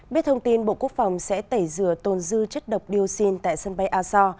biết thông tin bộ quốc phòng sẽ tẩy rửa tồn dư chất độc dioxin tại sân bay aso